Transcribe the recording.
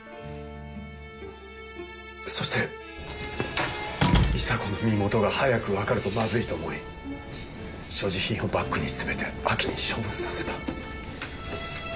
そして伊沙子の身元が早くわかるとまずいと思い所持品をバッグに詰めてアキに処分させた。